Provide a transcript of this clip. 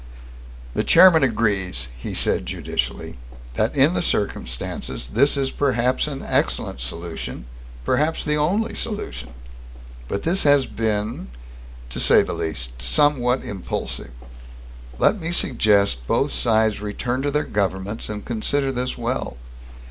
"The chairman agrees," he said judicially, "that in the circumstances, this is perhaps an excellent solution, perhaps the only solution. But this has been, to say the least, somewhat impulsive. Let me suggest both sides return to their governments and consider this well.